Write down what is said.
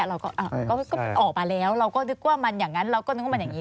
เราก็ออกมาแล้วเราก็นึกว่ามันอย่างนั้นเราก็นึกว่ามันอย่างนี้